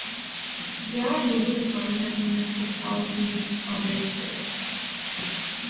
They are unable to find her in the midst of thousands of other spirits.